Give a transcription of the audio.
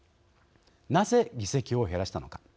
なぜ議席を減らしたのか。